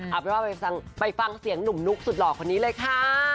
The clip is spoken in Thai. เอาเป็นว่าไปฟังเสียงหนุ่มนุ๊กสุดหล่อคนนี้เลยค่ะ